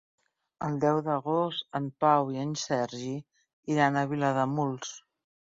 El deu d'agost en Pau i en Sergi iran a Vilademuls.